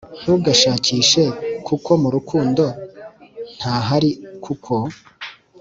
ntugashakishe kuko mu rukundo ntahari kuko,